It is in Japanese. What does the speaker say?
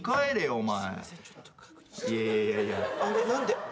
お前。